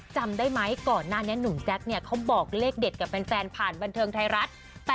จำได้ไหมก่อนหน้านี้หนุ่มแจ๊คเขาบอกเลขเด็ดกับแฟนผ่านบันเทิงไทยรัฐ